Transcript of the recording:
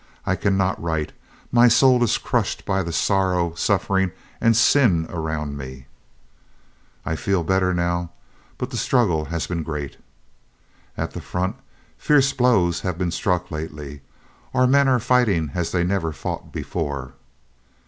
I cannot write, my soul is crushed by the sorrow, suffering, and sin around me.... "I feel better now, but the struggle has been great.... "At the front, fierce blows have been struck lately. Our men are fighting as they never fought before....